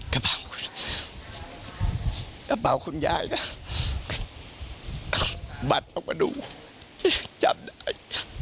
กระเป๋าคุณยายน่ะบัตรออกมาดูยังจำได้